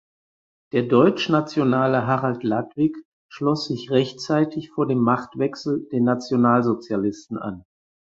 Der deutschnationale Harald Ladwig schloss sich rechtzeitig vor dem Machtwechsel den Nationalsozialisten an.